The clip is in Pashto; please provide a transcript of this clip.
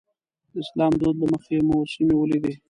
د اسلامي دود له مخې مو سیمې ولیدې.